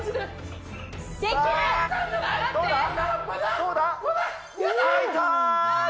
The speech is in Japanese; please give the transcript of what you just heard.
どうだ？